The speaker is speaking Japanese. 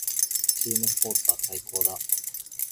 チームスポーツは最高だ。